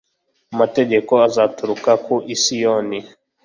amategeko azaturuka i Siyoni